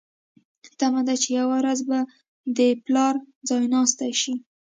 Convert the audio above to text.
تمه ده چې یوه ورځ به د پلار ځایناستې شي.